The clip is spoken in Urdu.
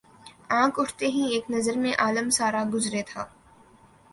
آنکھ اٹھتے ہی ایک نظر میں عالم سارا گزرے تھا